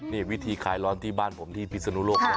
นี่วิธีล้อนขายที่บ้านผมที่พิษธุโลกอ่ะ